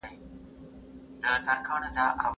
خیر محمد د لور د انځور غم کاوه.